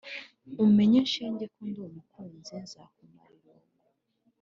umenye shenge ko ndi umukunzi nzakumara irungu